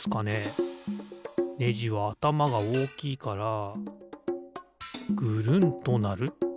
ネジはあたまがおおきいからぐるんとなる。